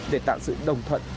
để tạo sự đồng thuận